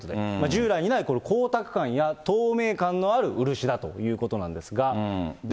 従来にない光沢感や透明感のある漆だということなんですが。